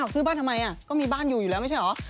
ซื้อบ้านทำไมก็มีบ้านอยู่อยู่แล้วไม่ใช่เหรอ